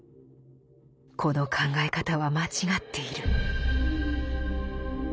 「この考え方は間違っている」。